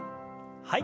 はい。